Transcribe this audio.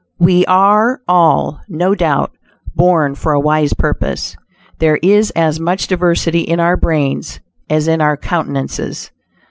We are all, no doubt, born for a wise purpose. There is as much diversity in our brains as in our countenances.